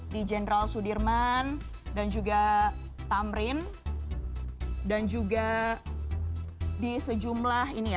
di jenderal sudirman dan juga tamrin dan juga di sejumlah ini ya